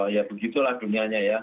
ya begitulah dunianya ya